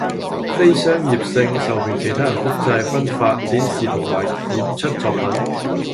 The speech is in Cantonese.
非商業性，授權其他人複製，分發，展示同埋演出作品